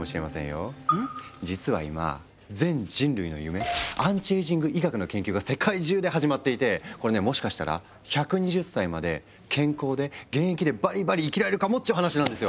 実は今全人類の夢アンチエイジング医学の研究が世界中で始まっていてこれねもしかしたら１２０歳まで健康で現役でバリバリ生きられるかもっていう話なんですよ。